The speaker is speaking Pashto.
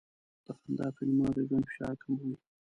د خندا فلمونه د ژوند فشار کموي.